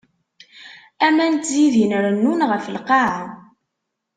Aman ttzidin rennun ɣef lqaɛa.